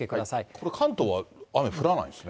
これ、関東は雨降らないんですね。